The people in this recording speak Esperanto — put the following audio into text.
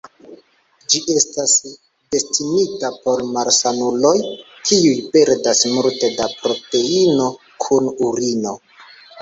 Ĝi estas destinita por malsanuloj kiuj perdas multe da proteino kun urino.